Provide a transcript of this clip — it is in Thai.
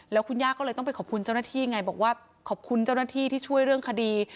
แล้วคุณย่าก็เลยต้องไปขอบคุณเจ้าหน้าที่ไงบอกว่าขอบคุณเจ้าหน้าที่ที่ช่วยเรื่องคดี